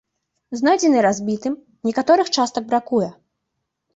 Знойдзены разбітым, некаторых частак бракуе.